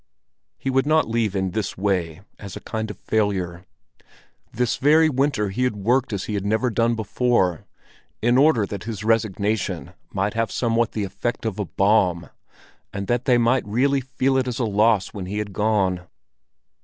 He would not leave in this way, as a kind of failure. This very winter he had worked as he had never done before, in order that his resignation might have somewhat the effect of a bomb, and that they might really feel it as a loss when he had gone.